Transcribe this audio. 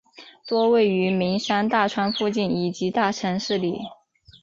多位于名山大川附近以及大城市里。